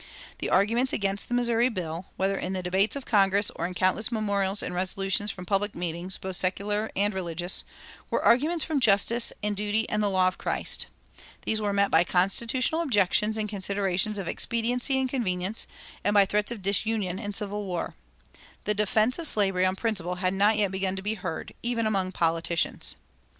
The arguments against the Missouri bill, whether in the debates of Congress or in countless memorials and resolutions from public meetings both secular and religious, were arguments from justice and duty and the law of Christ. These were met by constitutional objections and considerations of expediency and convenience, and by threats of disunion and civil war. The defense of slavery on principle had not yet begun to be heard, even among politicians.